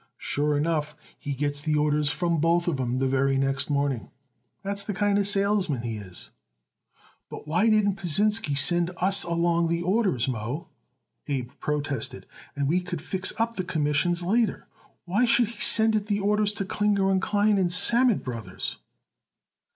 Sure enough, he gets the orders from both of 'em the very next morning. That's the kind of salesman he is." "But why didn't Pasinsky send us along the orders, Moe," Abe protested, "and we could fix up about the commissions later? Why should he sent it the orders to Klinger & Klein and Sammet Brothers?"